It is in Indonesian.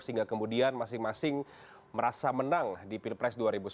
sehingga kemudian masing masing merasa menang di pilpres dua ribu sembilan belas